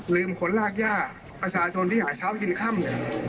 ลืมคนรากญาประชาชนที่หาเช้าทิ้งข้ำ